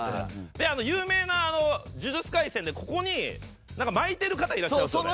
であの有名な『呪術廻戦』でここになんか巻いてる方いらっしゃるんですよね。